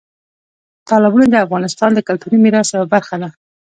تالابونه د افغانستان د کلتوري میراث یوه برخه ده.